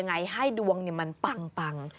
ยังไงให้ดวงเนี่ยมันปัง